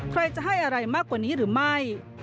ใครจะให้อะไรมากกว่านี้หรือไม่